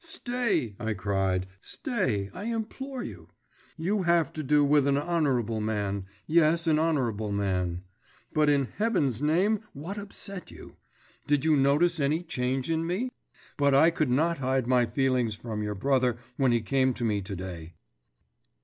'Stay,' I cried, 'stay, I implore you. You have to do with an honourable man yes, an honourable man. But, in Heaven's name, what upset you? Did you notice any change in me? But I could not hide my feelings from your brother when he came to me to day.